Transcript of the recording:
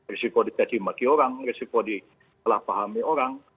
risiko dikatimaki orang risiko dikelahpahami orang